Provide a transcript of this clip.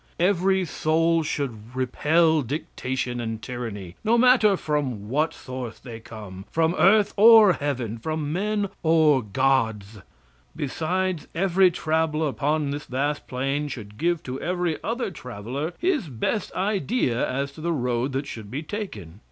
Every soul should repel dictation and tyranny, no matter from what source they come from earth or heaven, from men or gods. Besides, every traveler upon this vast plain should give to every other traveler his best idea as to the road that should be taken.